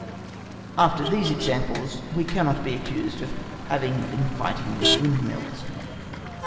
After these examples we cannot be accused of having been fighting with windmills.